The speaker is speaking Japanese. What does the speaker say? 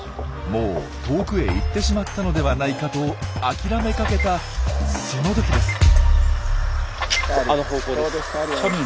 もう遠くへ行ってしまったのではないかと諦めかけたその時です。